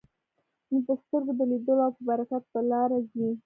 نه د سترګو د لیدلو او پر برکت په لاره ځي.